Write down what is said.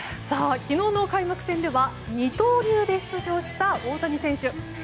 昨日の開幕戦では二刀流で出場した大谷選手。